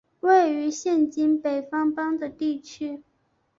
位于现今北方邦的地区。